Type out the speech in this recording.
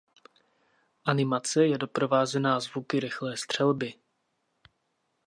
Animace je doprovázená zvuky rychlé střelby.